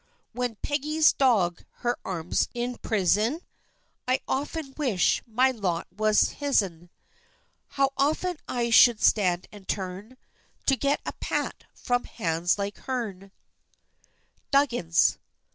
When Peggy's dog her arms empris'n I often wish my lot was hisn; How often I should stand and turn, To get a pat from hands like hern. DUGGINS.